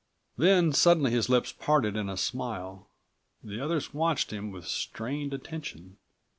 Then, suddenly his lips parted in a smile. The225 others watched him with strained attention.